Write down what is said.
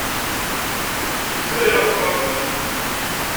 Yezri ɣef uxxam-nni.